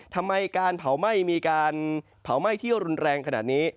ทำไมการเผาไหม้มีการเผาไหม้ที่รุนแรงขนาดนี้